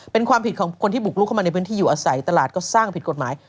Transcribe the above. เป็นความผิดของคนที่บุกลุกเข้ามาในพื้นที่อยู่อาศัยตลาดก็สร้างผิดกฎหมาย